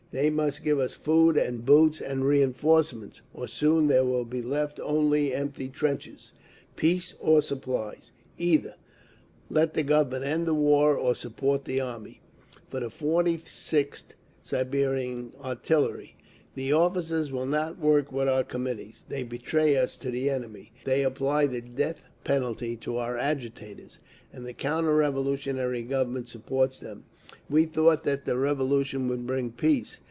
They must give us food and boots and reinforcements, or soon there will be left only empty trenches. Peace or supplies… either let the Government end the war or support the Army…." For the Forty sixth Siberian Artillery: "The officers will not work with our Committees, they betray us to the enemy, they apply the death penalty to our agitators; and the counter revolutionary Government supports them. We thought that the Revolution would bring peace.